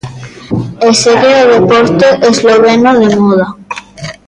E segue o deporte esloveno de moda.